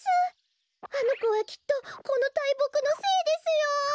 あのこはきっとこのたいぼくの精ですよ。